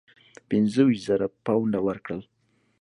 پنځه ویشت زره پونډه ورکړل.